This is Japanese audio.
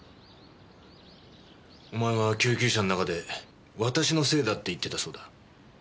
お前は救急車の中で「私のせいだ」って言ってたそうだ。